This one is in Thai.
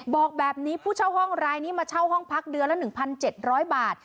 บอกแบบนี้ผู้เช่าห้องรายนี้มาเช่าห้องพักเดือนละ๑๗๐๐บาท